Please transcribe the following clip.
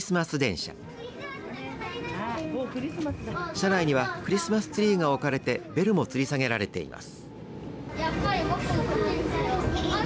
車内にはクリスマスツリーが置かれてベルもつり下げられています。